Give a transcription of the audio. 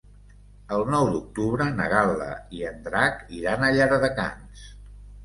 El nou d'octubre na Gal·la i en Drac iran a Llardecans.